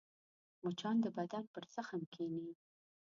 مچان د بدن پر زخم کښېني